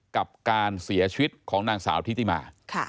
กับการเสียชีวิตของนางสาวทิติมา